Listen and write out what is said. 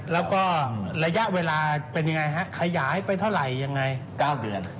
แล้วก็ระยะเวลาเป็นอย่างไรฮะขยายไปเท่าไหร่อย่างไร